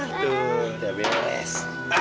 udah udah beres